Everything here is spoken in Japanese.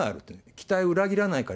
期待を裏切らない。